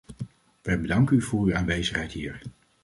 Wij bedanken u voor uw aanwezigheid hier.